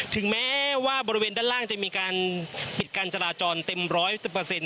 ถึงแม้ว่าบริเวณด้านล่างจะมีการปิดการจราจรเต็มร้อยเปอร์เซ็นต